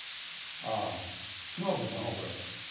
ああ島君だなこれ。